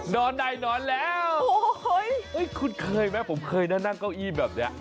นอนได้นอนแล้วคุณเคยไหมผมเคยนะนั่งเก้าอี้แบบนี้